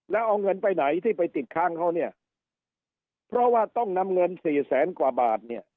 แล้วเอาเงินไปไหนที่ไปติดค้างเขาเนี่ยเพราะว่าต้องนำเงินสี่แสนกว่าบาทเนี่ย